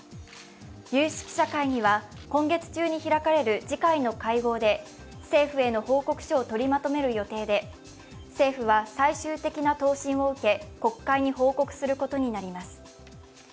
有識者会議は今月中に開かれる次回の会合で政府への報告書を取りまとめる予定で政府は最終的な答申を受け、国会に報告することになります。